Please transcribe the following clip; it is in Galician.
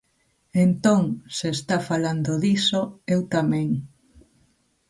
Entón, se está falando diso, eu tamén.